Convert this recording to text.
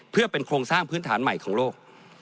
เพื่อเป็นโครงสร้างพื้นฐานใหม่ของโลก